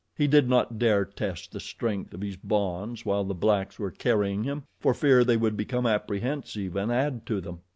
He did not dare test the strength of his bonds while the blacks were carrying him, for fear they would become apprehensive and add to them.